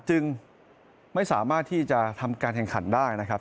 จึงไม่สามารถที่จะทำการแข่งขันได้นะครับ